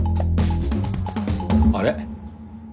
あれ？